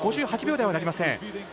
５８秒台はなりません。